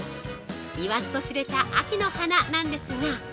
言わずとしれた秋の花なんですが。